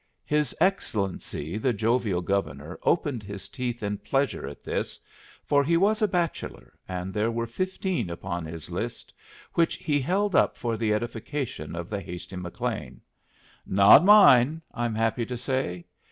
His Excellency the jovial Governor opened his teeth in pleasure at this, for he was a bachelor, and there were fifteen upon his list, which he held up for the edification of the hasty McLean. "Not mine, I'm happy to say.